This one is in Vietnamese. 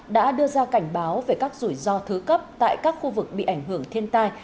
đã đưa ra cảnh báo về các rủi ro thứ cấp tại các khu vực bị ảnh hưởng thiên tai